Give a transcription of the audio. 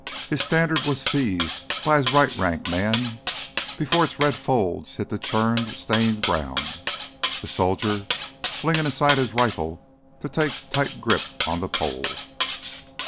His standard was seized by his right rank man before its red folds hit the churned, stained ground, the soldier flinging aside his rifle to take tight grip on the pole.